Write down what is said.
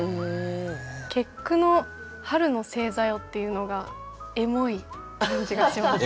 結句の「春の星座よ」っていうのがエモい感じがしますね。